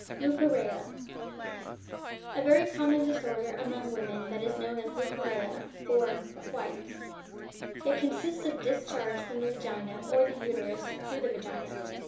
LEUCORRHEA. A very common disorder among women is that known as Leucorrhea, or "the whites." It consists of a discharge from the Vagina, or the Uterus through the Vagina.